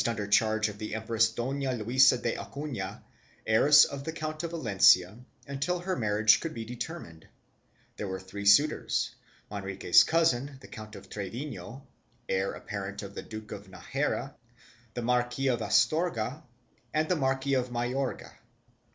CHAP. I] THE INQUISITOR GENERALSHIP 305 charge of the empress Dona Luisa de Acuna, heiress of the Count of Valencia, until her marriage should be determined. There were three suitors — Manrique's cousin the Count of Trevino, heir apparent of the Duke of Najera, the Marquis of Astorga and the Marquis of Mayorga.